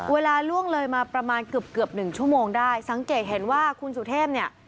ล่วงเลยมาประมาณเกือบเกือบหนึ่งชั่วโมงได้สังเกตเห็นว่าคุณสุเทพเนี่ย